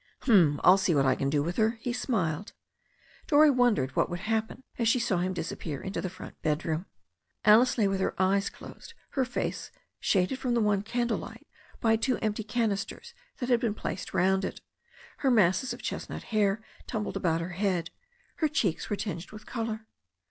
"Hm ! ril see what I can do with her." He smiled. Dorrie wondered what would happen as she saw him dis appear into the front bedroom. Alice lay with her eyes closed, her face shaded from the one candlelight by two empty cannisters that had been placed round it. Her masses of chestnut hair tumbled about her head. Her cheeks were tinged with colour.